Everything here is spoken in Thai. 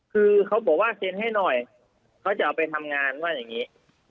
คือเขาบอกว่าเซ็นให้หน่อยเขาจะเอาไปทำงานว่าอย่างนี้